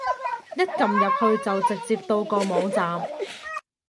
一撳入去就直接到個網站